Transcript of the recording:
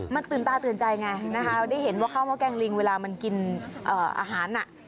มันตื่นตาตื่นใจไงนะคะเราได้เห็นว่าข้าวห้อแกงลิงเวลามันกินอาหารน่ะ